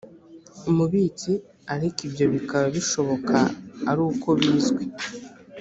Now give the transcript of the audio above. umubitsi ariko ibyo bikaba bishoboka ari uko bizwi